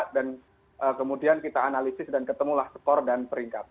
dan kemudian kita analisis dan ketemulah skor dan peringkat